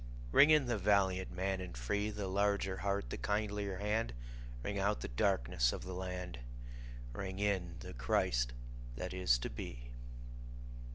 Ring in the valiant man and free, The larger heart, the kindlier hand; Ring out the darkenss of the land, Ring in the Christ that is to be.